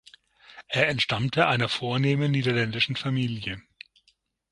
Er entstammte einer vornehmen niederländischen Familie.